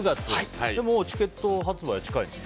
じゃあ、チケット発売は近いんですか？